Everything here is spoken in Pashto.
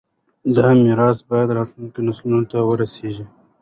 دا میراث باید راتلونکو نسلونو ته ورسوو.